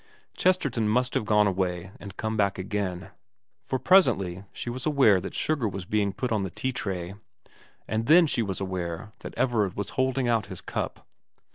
Chesterton must have gone away and come back again, for presently she was aware that sugar was being put on the tea tray ; and then she was aware that Everard was holding out his cup.